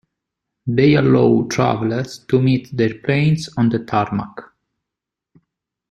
They allow travelers to meet their planes on the tarmac.